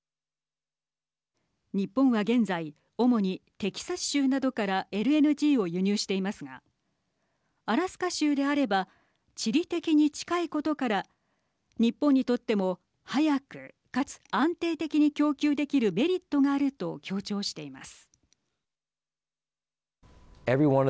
日本は現在主にテキサス州などからＬＮＧを輸入していますがアラスカ州であれば地理的に近いことから日本にとっても早くかつ安定的に供給できるメリットがあると強調しています。